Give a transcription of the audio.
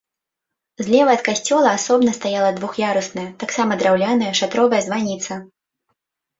Злева ад касцёла асобна стаяла двух'ярусная таксама драўляная шатровая званіца.